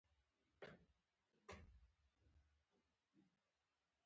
هغې وویل: ګرانه، دا ډول خبرې مه کوه، مه یې یادوه.